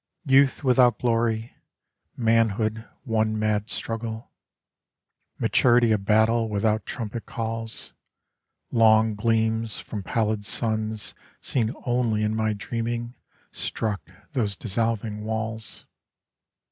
Youth without glory, manhood one mad struggle, Maturity a battle without trumpet calls: Long gleams from pallid suns seen only in my dreaming Struck those dissolving walls.